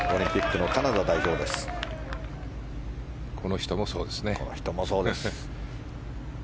この人もそうです。